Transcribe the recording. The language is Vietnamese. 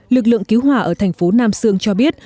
lực lượng cứu hỏa ở thành phố nam sương cho biết